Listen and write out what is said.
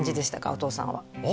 お父さんはああ